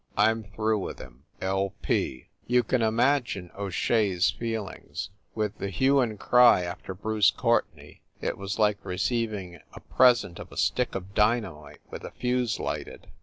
I m through with him. L. P." You can imagine O Shea s feelings. With the hue and cry after Bruce Courtenay, it was like re ceiving a present of a stick of dynamite with the fuse lighted.